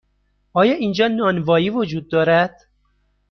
آیا اینجا نانوایی وجود دارد؟